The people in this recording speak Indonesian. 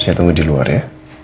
saya tunggu di luar ya